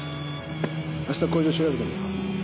明日工場を調べてみよう。